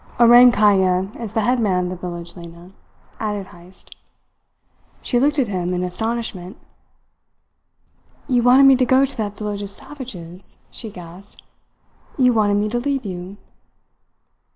Orang Kaya, is the head man of the village, Lena," added Heyst. She looked at him in astonishment. "You wanted me to go to that village of savages?" she gasped. "You wanted me to leave you?"